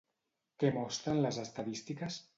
Què mostren les estadístiques?